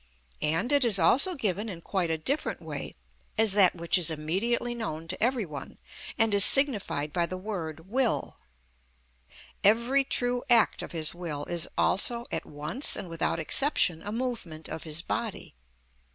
And it is also given in quite a different way as that which is immediately known to every one, and is signified by the word will. Every true act of his will is also at once and without exception a movement of his body.